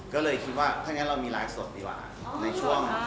ก็เลยคิดว่าถ้างั้นเรามีไลฟ์สดดีกว่าในช่วง